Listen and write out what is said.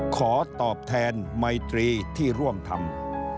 ขอตอบแทนไมตรีที่ร่วมทำ